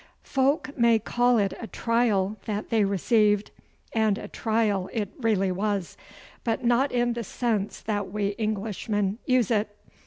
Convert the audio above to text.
Folk may call it a trial that they received, and a trial it really was, but not in the sense that we Englishmen use it.